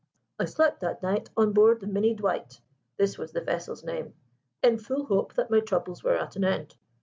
"I slept that night on board the Minnie Dwight this was the vessel's name in full hope that my troubles were at an end.